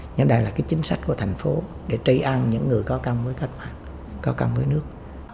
nhưng đây là cái chính sách của thành phố để tri an những người có công với cách mạng có công với nước